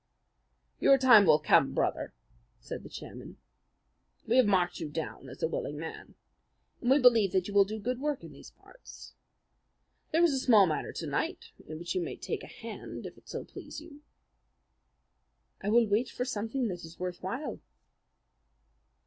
"Your time will come, Brother," said the chairman. "We have marked you down as a willing man, and we believe that you will do good work in these parts. There is a small matter to night in which you may take a hand if it so please you." "I will wait for something that is worth while."